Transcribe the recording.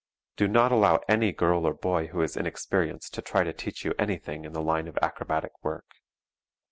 Do not allow any girl or boy who is inexperienced to try to teach you anything in the line of acrobatic work.